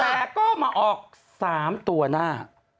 แต่ก็มาออก๓ตัวหน้า